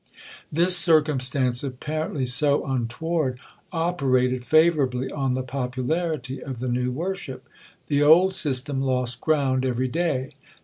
'This circumstance, apparently so untoward, operated favourably on the popularity of the new worship. The old system lost ground every day.